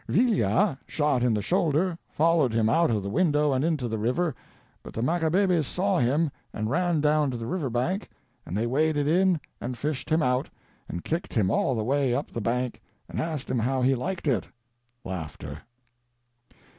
" Villia, shot in the shoulder, followed him out of the window and into the river, but the Macabebes saw him and ran down to the river bank, and they waded in and fished him out, and kicked him all the way up the bank, and asked him how he liked it."